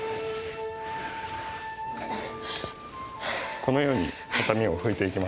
このように畳を拭いていきます。